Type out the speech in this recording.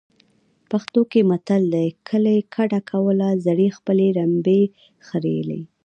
پښتو کې متل دی. کلی کډه کوله زړې خپلې رمبې خریلې.